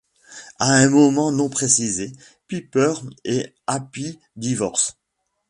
À un moment non précisé, Pepper et Happy divorcent.